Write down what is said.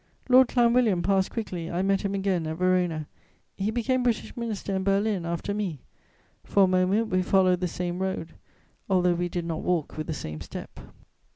Lord Clanwilliam passed quickly: I met him again at Verona; he became British Minister in Berlin after me. For a moment we followed the same road, although we did not walk with the same step.